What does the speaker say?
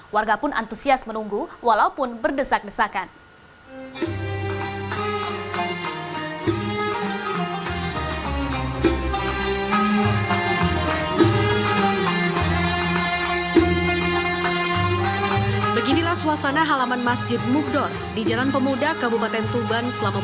warga pun antusias menunggu walaupun berdesak desakan